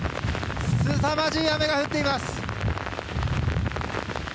すさまじい雨が降っています。